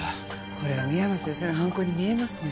これは深山先生の犯行に見えますね